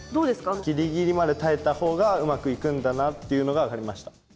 ギリギリまで耐えたほうがうまくいくんだなっていうのが分かりました。